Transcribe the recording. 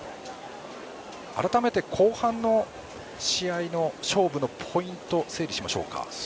改めて後半の試合の勝負のポイントを整理しましょうか。